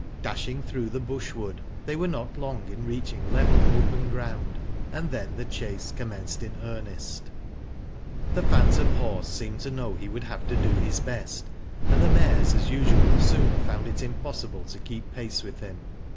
Dashing through the bush wood, they were not long in reaching level open ground, and then the chase commenced in earnest. The phantom horse seemed to know he would have to do his best, and the mares as usual soon found it impossible to. keep pace with him.